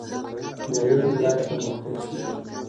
د علم له لارې پرمختګ کیږي.